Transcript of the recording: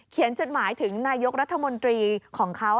จดหมายถึงนายกรัฐมนตรีของเขา